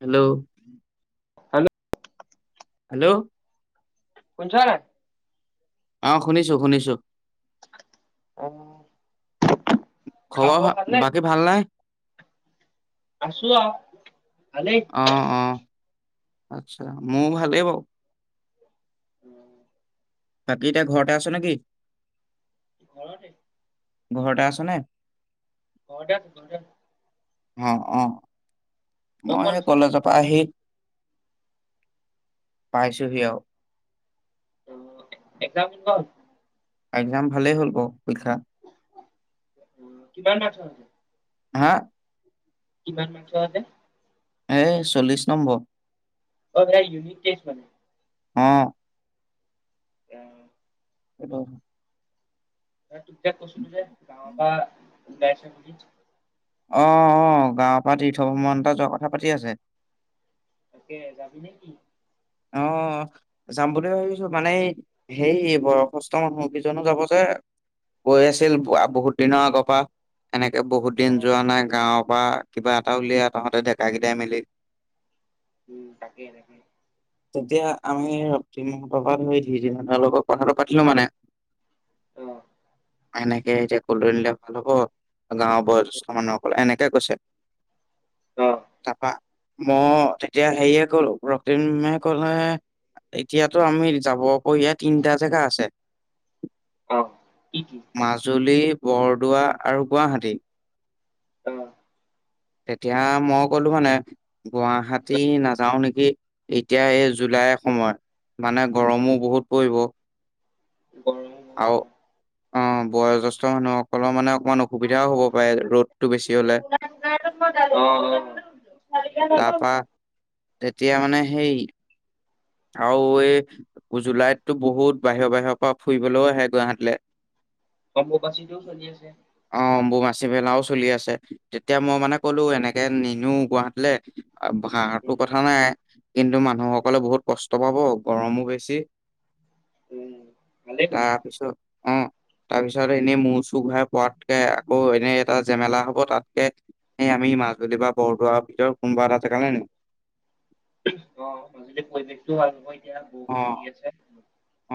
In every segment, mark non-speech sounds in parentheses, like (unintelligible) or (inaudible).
Hello? Hello hello শুনিছ নাই অ শুনিছো শুনিছো অহ খবৰ বাকী ভাল নাই আছো আও ভালেই। অ অ আচ্ছা মোৰ ভালেই বাও। বাকী এতিয়া ঘৰতে আছ নেকি? ঘৰতে ঘৰতে আছনে? (unintelligible) অ অ তই ক'ত মই আছ? সেই কলেজৰ পৰা আহি পাইছোহি আও অ', এক্সাম কত এক্সাম ভালেই হ'ল ক কিমান বাৰ থয় হে হা কিমান নি থোৱা আছে এ চল্লিশ নম্বৰ অ ধৰা ইউনিক টেছ মানে। অ আহ এইটো তই তেতিয়া কৈছিলো যে গাঁৱৰ পা ওলাইছে বুলি। অহ অহ গাঁৱৰ পৰা তীৰ্থ ভ্ৰমণ এটা যোৱা কথা পাতি আছে। তাকে যাবি নেকি অ যাম বুলি ভাবিছো মানে হেই বয়সস্থ মানুহ কেইজনো যাব যে (inaudible) কৈ আছিল বহুত দিনৰ আগৰ পৰা এনেকে বহুত দিন অ', যোৱা নাই গাঁৱত কিবা এটা উলিয়াই তহঁতে ডেকা কেইটাই মিলি। উম তাকেই তাকেই তেতিয়া আমি তিমি সোপা পা ধই সিদিনা তাৰ লগত কথাটো পাতিলো মানে। অ', এনেকে এতিয়া কলৈ নিলে ভাল হ'ব গাঁৱৰ বয়োজেষ্ঠ মানুহসকলে এনেক- কৈছে অ', তাৰপা মই তেতিয়া হেৰিয়ে কৰলো মেমে কলে এতিয়াতো আমি যাব পৰীয়া তিনিটা জেগা আছে। অ', কি কি? মাজুলী, বৰদোৱা আৰু গুৱাহাটী আহ তেতিয়া মই কলো মানে গুৱাহাটী নাযাও নেকি এতিয়া এই জুলাই এ সময় মানে গৰমো বহুত পৰিব হয় আৰু অ বয়োজ্যেষ্ঠ মানুহসকলৰ মানে অকমান অসুবিধাও হ'ব পাৰে ৰ'দটো বেছি হ'লে। মই এতিয়া ভাবোং তাৰপা তেতিয়া মানে সেই আৰু এই জুলাইততো বহুত বাহিৰ বাহিৰৰ পৰা ফুৰিবলৈও আহে গুৱাহাটীলৈ অম্বুবাচীটোও চলি আছে। বাচী মেলাও চলি আছে তেতিয়া মই মানে কলো এনেকে নিনো গুৱাহাটীলে আ হাহাটো উম, কথা নাই কিন্তু মানুহসকলে বহুত কষ্ট পাব গৰমো বেছি তাৰপিছত অ উ তাৰপিছত এনেই মূৰ চু ঘূৰাই পোৱাতকে আকৌ এনেই এটা জেমেলা হব, তাতকে এ আমি মাজলী বা বৰদোৱাৰ ভিতৰত কোনোবা এটা জেকা নহয় নি। অ মাযেদি পৰিৱেশটোও ভাল নহয়, এতিয়া অ বৰষুণ দি আছে।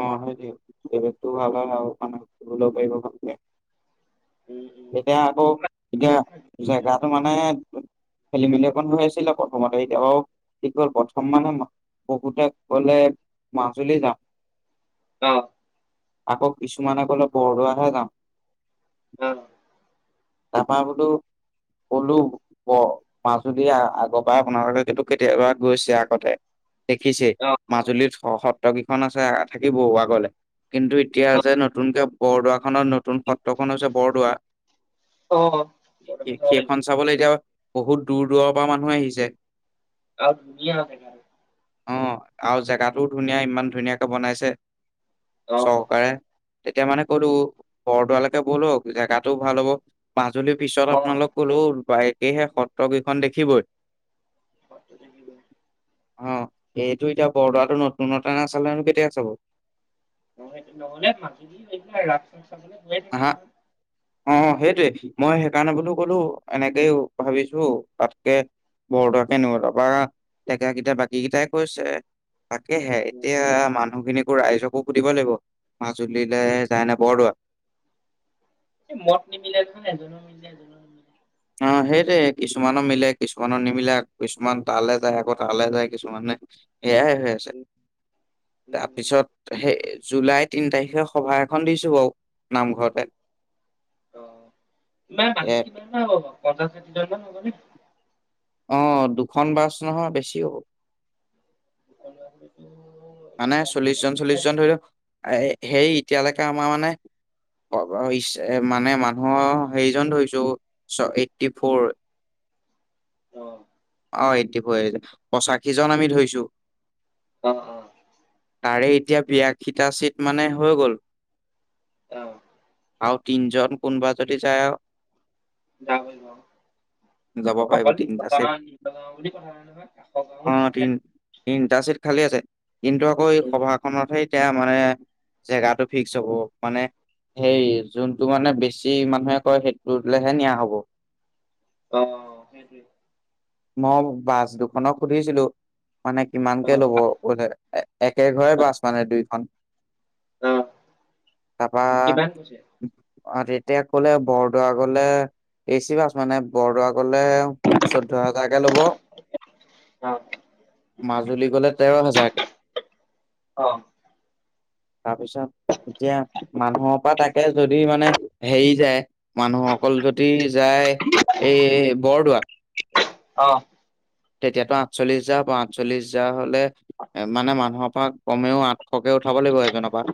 অ হয় দিয়ক পৰিৱেশ টো ভাল হয় বাৰু শুবলো পাৰিব ভালকে। উম, উম, এতিয়া আকৌ এতিয়া জেগাটো মানে, খেলি মেলি অকণ হৈ আছিলে প্ৰথমতে এতিয়াবাও কি কল প্ৰথম মানে, বহুতে কলে মাজুলী যাম। অহ। আকৌ কিছুমানে কলে বৰদোৱাহে যাম। অহ। তাৰপা বুলো, কলো মাজুলি দি আগৰ পৰা আপোনালোকে কেতিয়াবা গৈছে আগতে। দেখিছেই অ', অ'। মাজুলীত অ', সত্ৰ কেইখন আছে থাকিব আগলে কিন্তু এতিয়া যে নতুনকে বৰদোৱা খনত নতুন স - তখন হৈছে বৰদোৱা। অ', বৰদোৱাখন চাব পাৰিব সেইখন চাবলৈ এতিয়া বহুত দূৰ দূৰৰ পৰা মানুহ আহিছে। আৰু ধুনীয়া আছে জেগাটো। অ আৰু জেগাটোও ধুনীয়া ইমান ধুনীয়াকে বনাইছে। অ'। চৰকাৰে তেতিয়া মানে ক'লো, উম, বৰদুৱালৈকে বলক জেগাটোও ভাল হ'ব, মাজুলীৰ পিছত অ', আপোনালোক ক'লো ব- সেয়েহে সত্ৰকেইখন দেখিবই। (unintelligible) অ এইটো এতিয়া বৰদোৱা নতুনতে নাচালনো কেতিয়া চাব। (unintelligible) থাকে আহ নহয়। অ সেই, মই সেইকাৰণে বুলিও কলো এনেকেই ভাবিছো তাতকে বৰদোৱা কেনহ তপা ডেকা কেইটা বাকী কেইটাই কৈছে তাকেহে উম। এতিয়া মানুহখিনিক ৰাইজকো সুধিব লাগিব মাজুলীলৈ যায় নে বৰদোৱা। মত নিমিলেখন এজো মিলে এজো নিমিলে (unintelligible) অ সেইটোৱে কিছুমানৰ মিলে, কিছুমানৰ নিমিলে কিছুমান তালৈ যায় আকৌ তালে যায় কিছুমানে। সেয়াই হৈ আছে। উম, উম, তাৰপিছত সেই জুলাই তিন তাৰিখে সভা এখন দিছোঁ বাৰু নামঘৰতে। অ মা মানুহ এ কিমান মান হব বাও পঞ্চাছ ষাঠিজন মান হ'ব নে অ দুখন বাছ নহয় বেছি হ'ব। সকলোৱে হ'লেতো মানে চল্লিশ বিয়াল্লিশটা জন মান চল্লিশ নে জন ধৰি লও এ সেয়ি এতিয়ালৈকে আমাৰ মানে খোৱা বোৱা ইচ্ছাৰে মানে মানুহৰ হেইজন ধৰিছো চ এইট টি ফোৰ। অ। অ এইটি ফৰ পঁচাশী জন আমি ধৰিছো। অ অ। তাৰে এতিয়া বিয়া খিটা চীট মানে হৈ গ'ল। অহ। আৰু তিনজন কোনবা যদি যায়, যাব পাৰিব যাব পাৰে অকল গতি গাঁও ইনতাছে গাঁও বুলি কথা নাই নহয় কাষৰ গাঁও অ যাব তিন পাৰে। তিনিটা চিট খালী আছে। কিন্তু আকৌ এই উম, সভাখনতহে এতিয়া মানে জেগাটো ফিক্স হ'ব, মানে সেই যোনটো মানে বেছি মানুহে কয় সেইটোলেহে নিয়া হ'ব। অ সেইটোৱে মই বাছ দুখনক সুধিছিলো। মানে কিমানকে অ', ল'ব ভা বলে একে ঘৰে অ', বাছ মানে দুইখন অ', তাৰাপৰা কিমান কৈছে? আৰু তেতিয়া কলে বৰদোৱা গলে এচি বাছ মানে বৰদোৱা গলে চধ্য- হাজাৰ কে লব অ', মাজুলী গ'লে তেৰ হাজাৰকে অ', (inaudible) তাৰপিছত এতিয়া মানুহৰ পৰা তাকে যদি মানে হেৰি যায় মানুহ অকল উলগতি যায় এই বৰদোৱা আহ তেতিয়াতো আঠচল্লিশ হাজাৰ হ আঠচল্লিশ হাজাৰ হ'লে এ মানে মানুহৰ পৰা কমেও আঠ সকে উঠাব লাগিব এজনৰ পৰা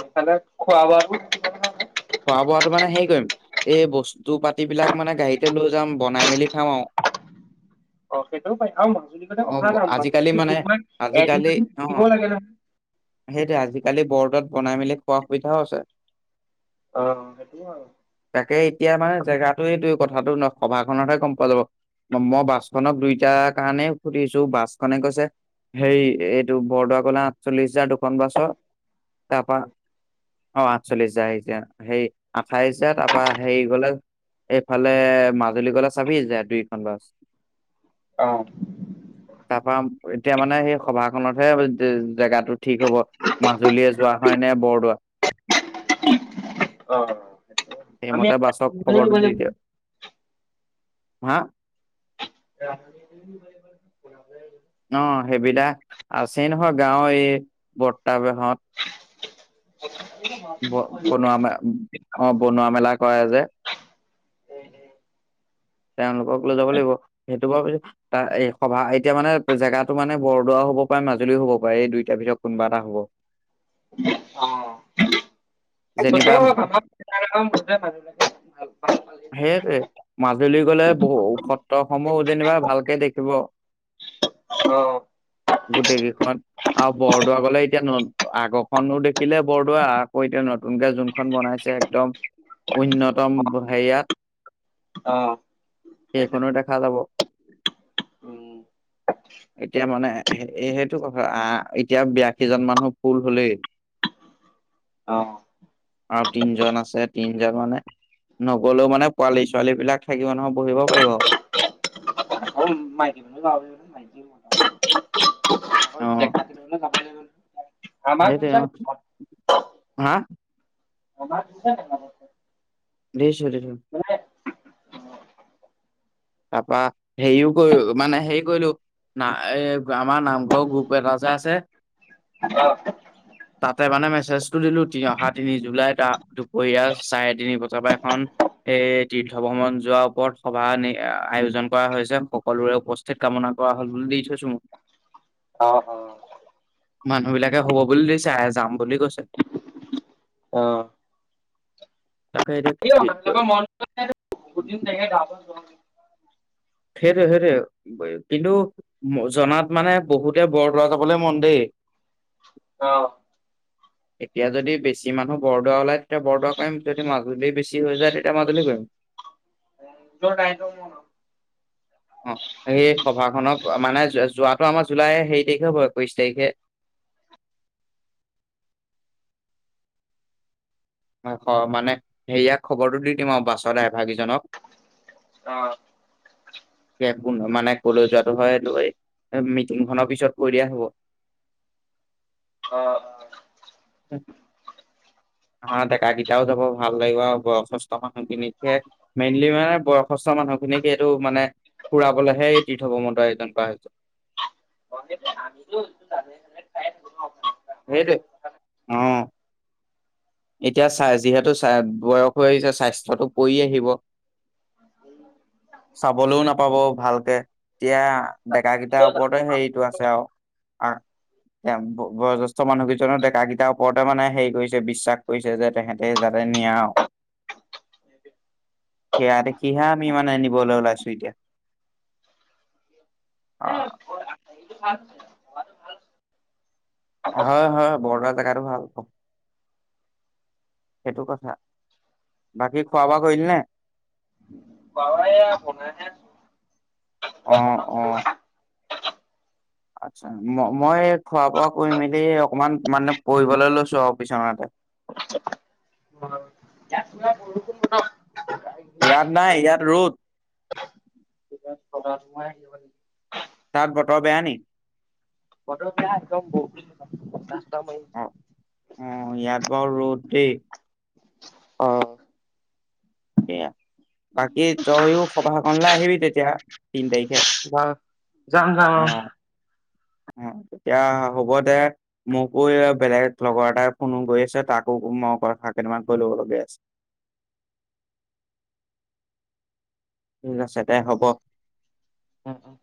সেইফালে খোৱা বোৱাটো কিমান হয় হয়। খোৱা বোৱাো মানে হেৰি কৰিম এই বস্তু পাতি বিলাক মানে গাড়ীতে লৈ যাম বনাই মেলি খাওঁ আৰু। (inaudible) অ সেইটো পাই আৰু মাজুলীৰ গ'লে অ কথা এটা আজিকালি মাজুলীটো মানে বিহু নাই নে কি এদিন আজিকালি দুদিন অ থাকিব লাগে নহয় সেইটোৱে আজিকালি বৰ্ডত বনাই মেলি খোৱা সুবিধাও আছে। অ', সেইটো হয় বাৰু। তাকে এতিয়া মানে জেগাটো এইটো কথাটো নহ সভাখনতহে গম পোৱা যাব মই বাচনক দুইটাৰ কাৰণে সুধিছো বাছখনে কৈছে হেৰি এইটো বৰদোৱা কলা আঠচল্লিশ হাজাৰ ন বছৰ তাৰপা উম, অ আঠচল্লিশ যি সেই আঠাইশাত তাৰপা হেৰি গলে এইফালে মাজ- গধুলি গলে চাবি যায় দুইখন বাছ অ', তাৰ পৰা এতিয়া মানে সেই সভা খনতহে জেগাটো ঠিক হ'ব মাজুলীয়ে যোৱা হয় নে বৰদোৱা। অ', সেইটো হয়। আমি সেইমতে বাছক খবৰটো নিব দি লাগিব। দিয়ক হা আহ অ সেইবিলাক আছেই নহয় গাঁওৰ এই বৰ্তাবাহত ক ব বনোৱা ম অ বনোৱা মেলা কৰে যে উ তেওঁলোকক লৈ যাব লাগিব সেইটো বাৰ ত সভা এতিয়া মানে জেগাটো মানে বৰদোৱা হ'ব পাৰে মাজুলীও হ'ব পাৰে এই দুইটাৰ ভিতৰত কোনবা এটা হব অ এ যতে যেনিবা (unintelligible) সেইয়টে মাজুলী গলে বহু সত্ৰসমূহ যেনিবা ভালকে দেখিব। হয় গোটেই কেইখন আৰু বৰদোৱা গলে এতিয়া আগৰখনো দেখি থখিলে বৰদোৱাই আ আকৌ এতিয়া নতুনকে যোনখন বনাইছে একদম অন্যতম। ইয়াত অ', সেইটোৱে সেইখনো দেখা যাব। উম, এতিয়া মানে সেইটো কথা আহ এতিয়া বিয়াশীজন মানুহ ফুল হলেই অ', আৰু তিনজন আছে তিনজন মানে নগলেও মানে পোৱালি ছোৱালী বিলাক থাকিব নহয় বহিব পাৰিব। (unintelligible) দেখা আছিলে যাবলে ৰোল সেই দে অ হা আম কিছে আ দিছো দিছো তাৰপা হেৰিও কৰি মানে হেৰি কৰিলো না এ আমাৰ নামঘৰ গ্ৰপ ৰাজা আছে অ', তাতে মানে মেছেজটো দিলো তি অহা তিনি জুলাই তাৰ দুপৰীয়া চাৰে তিনি বজাৰ পৰা এখন এ তীৰ্থ ভ্ৰমণ যোৱাৰ ওপৰত সভানি আয়োজন কৰা হৈছে সকলোৰে উপস্থিত কামনা কৰা হল বুলি দি থৈছো। অ অ। মানুহ বিলাকে হ'ব বুলি দিছে আ যাম বুলি কৈছে। আহ তাকে এতিয়া সেইটোৱে (unintelligible) সেইটো সেইটো কিন্তু জনাত মানে বহুতে বৰদোৱা যাবলে মন দেই। অ। এতিয়া যদি বেছি মানুহ বৰদোৱা ওলায় তেতিয়া বৰদোৱা কৰিম যদি মাজুলী বেছি হৈ যায় তে (unintelligible) অ সেই সভা খনক মানে যোৱাটো আমাৰ জুলাই সেই তাৰিখে হ'ব একৈশ তাৰিখে (inaudible) মানে ঘৰৰ মানে সেয়াক খবৰটো দি দিম আৰু বাছত ডাই ভাৰ কেইজনক। অ', কেব মানে কলৈ যোৱাটো হয় লৈ মিটিংখনৰ পিছত কৈ দিয়া হ'ব অ অ। (unintelligible) (unintelligible) হ ডেকাকেইটাও যাব ভাল লাগিব আৰু বয়সস্থ মানুহ খিনিক হে মেইনলি মানে বয়সস্থ মানুহ খিনিক এইটো মানে ফুৰাবলৈহে তীৰ্থ ভ্ৰমনটো আয়োজন কৰা হৈছে আমিটো জানুৱাৰী চানুৱাৰী খাই থাকো সেইটোৱে ন' অ এতিয়া চা যিহেতু বয়স হৈ আহিছে স্বাস্থ্যটো পৰি আহিব (unintelligible) চাবলৈও নাপাব ভালকে। এতিয়া ডেকা হ'লেও কেইটাৰ ওপৰতে যাম হেৰিটো আছে আও। আ এ বয়জ্যেষ্ঠ মানুহ কেইজননৰ ডেক কেইটাৰ ওপৰত ত মানে হেৰি কৰিছে বিশ্বাস কৰিছে যে তেহেঁতে যাতে নিয়ে আও সেয়া দেখি হে আমি মানে নিবলৈ ওলাই ছো এতিয়া অ। ভাল হৈছে ভাল হৈছে (inaudible) হয় হয় বৰদোৱা জেগাতো ভাল পা সেইটো কথা বাকী খোৱা বোৱা কৰিলি নে বাবা এয়া বনাই (inaudible) অ অ আচ্ছা, ম মই খোৱা -বোৱা কৰি মেলি অকমান মানে পঢ়িবলৈ লৈছো আৰু বিছনাতে। অ ইয়াত পোৰা বৰষুণ বতৰ ইয়াত নাই ইয়াত ৰ'দ (unintelligible) তাত বতৰ বেয়া নি বতৰ বেয়া একদম বৰষুণ- বতাহ। অ অ ইয়াত বাৰু ৰ'দ দেই অ, সেয়া বাকী তইও সভা খনলৈ আহিবি তেতিয়া তিন তাৰিখে। বাৰু যাম যাম অ। তেতিয়া হ'ব দে মোকো বেলেগ লগৰ এটাই ফোনো কৰি আছে তাকো মই কথা কেইটামান কৈ ল'বলগীয়া আছে। (inaudible) ঠিক আছে দে হ'ব উম উম